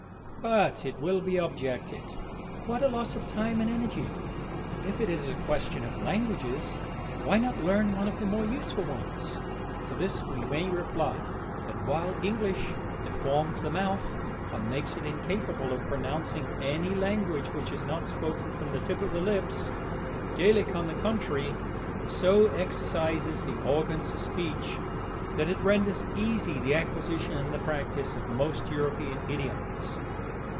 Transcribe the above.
But, it will be objected, what a loss of time and energy! If it is a question of languages, why not learn one of the more useful ones? To this we may reply that, while English deforms the mouth and makes it incapable of pronouncing any language which is not spoken from the tip of the lips, Gaelic, on the contrary, so exercises the organs of speech that it renders easy the acquisition and the practice of most European idioms.